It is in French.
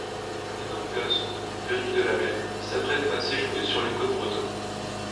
Un énorme glaçon, venu de la mer, s'apprête à s'échouer sur les côtes bretonnes.